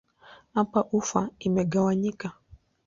Hapa ufa imegawanyika.